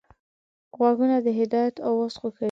غوږونه د هدایت اواز خوښوي